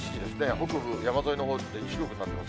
北部山沿いのほう、白くなってます。